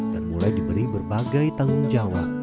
dan mulai diberi berbagai tanggung jawab